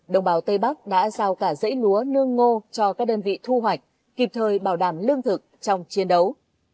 đồng bào tây bắc đã giao cả dãy lúa nương ngô cho các đơn vị thu hoạch kịp thời bảo đảm lương thực trong chiến đấu